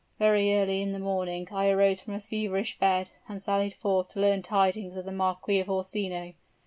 Very early in the morning I arose from a feverish bed and sallied forth to learn tidings of the Marquis of Orsini.